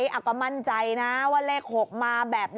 จังมันมั่นใจนะว่าเลข๖มาแบบ